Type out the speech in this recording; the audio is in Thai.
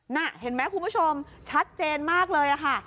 น่ะเห็นไหมคุณผู้ชมชัดเจนมากเลยค่ะ